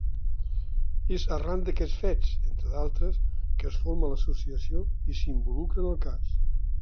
És arran d'aquests fets, entre d'altres, que es forma l'associació, i s'involucra en el cas.